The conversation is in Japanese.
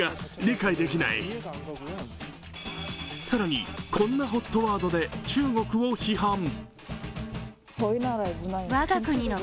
更に、こんなＨＯＴワードで中国を批判。